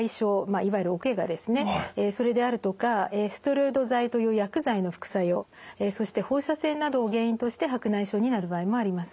いわゆるおけがですねそれであるとかステロイド剤という薬剤の副作用そして放射線などを原因として白内障になる場合もあります。